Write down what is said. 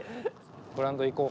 グラウンド行こう。